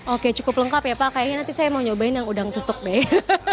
oke cukup lengkap ya pak kayaknya nanti saya mau nyobain yang udang tusuk deh